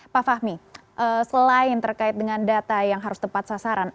pak fahmi selain terkait dengan data yang harus tepat sasaran